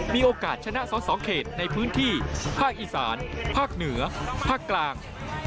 มีโอกาสชนะสอสอเขตในพื้นที่ภาคอีสานภาคเหนือภาคกลาง